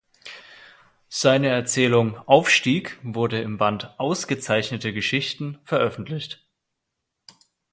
Seine Erzählung "Aufstieg" wurde im Band "Ausgezeichnete Geschichten" veröffentlicht.